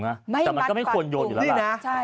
ไม่มัดปากถุงนี่นะแต่มันก็ไม่ควรโยนอยู่แล้วล่ะ